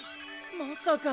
まさか！